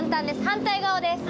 反対側です。